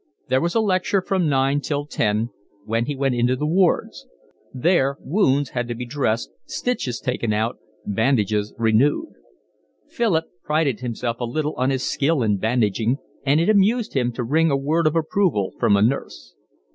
There was a lecture from nine till ten, when he went into the wards; there wounds had to be dressed, stitches taken out, bandages renewed: Philip prided himself a little on his skill in bandaging, and it amused him to wring a word of approval from a nurse.